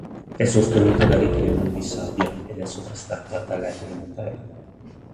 È sostenuta da ripide dune di sabbia ed è sovrastata dall"'Headland Hotel".